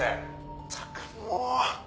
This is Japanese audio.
「ったくもう」